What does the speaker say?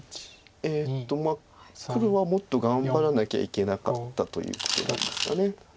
黒はもっと頑張らなきゃいけなかったということなんですか。